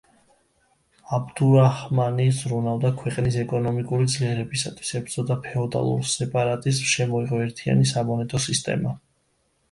აბდურაჰმანი ზრუნავდა ქვეყნის ეკონომიკური ძლიერებისათვის, ებრძოდა ფეოდალურ სეპარატიზმს, შემოიღო ერთიანი სამონეტო სისტემა.